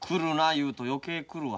言うと余計来るわ。